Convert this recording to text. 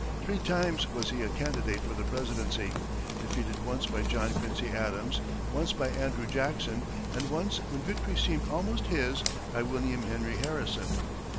Three times was he a candidate for the presidency, defeated once by John Quincy Adams, once by Andrew Jackson, and once, when victory seemed almost his, by William Henry Harrison.